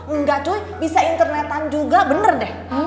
enggak tuh bisa internetan juga bener deh